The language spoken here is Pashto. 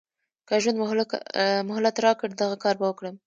که ژوند مهلت راکړ دغه کار به وکړم.